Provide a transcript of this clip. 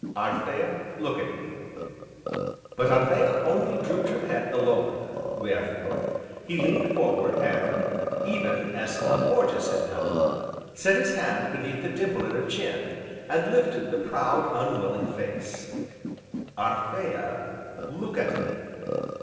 "Anthea, look at me!" But Anthea only drooped her head the lower; wherefore, he leaned forward, and even as Small Porges had done, set his hand beneath the dimple in her chin, and lifted the proud, un willing face: "Anthea, look at me!"